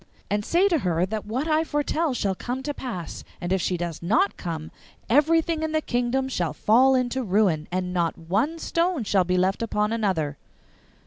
And say to her that what I foretell shall come to pass, and if she does not come everything in the kingdom shall fall into ruin, and not one stone shall be left upon another.